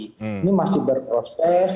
ini masih berproses